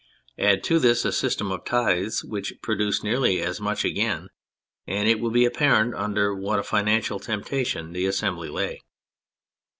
Add to this a system of tithes which produced nearly as much again, and it will be apparent under what a financial temptation the Assembly lay.